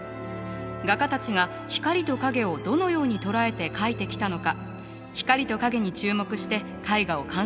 画家たちが光と影をどのように捉えて描いてきたのか光と影に注目して絵画を鑑賞していきましょう。